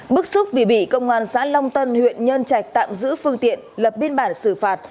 bức xúc vì bị công an xã long tân huyện nhân trạch tạm giữ phương tiện lập biên bản xử phạt